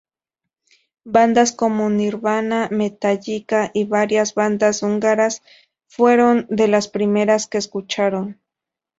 Bandas como Nirvana, Metallica y varias bandas húngaras fueron de las primeras que escucharon.